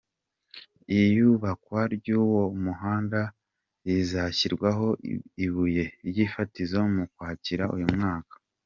Iyubakwa ry’uwo muhanda rizashyirwaho ibuye ry’ifatizo mu Ukwakira uyu mwaka.